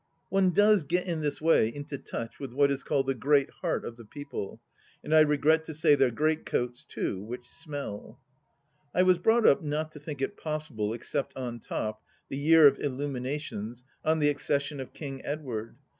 .,, One does get in this way into touch with what is called the great heart of the people ; and I regret to say their great coats too, which smell ! I was brought up not to think it possible, except on top, the year of illuminations, on the Accession of King Edward.